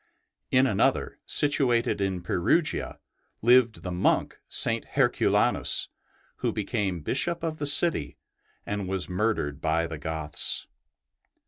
In another, situated in Perugia, lived the monk St. Herculanus, who became Bishop of the city and was murdered by the Goths.